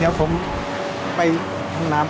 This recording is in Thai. เดี๋ยวผมไปห้องน้ำ